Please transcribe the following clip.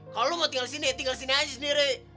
kalau lo mau tinggal disini tinggal disini aja sendiri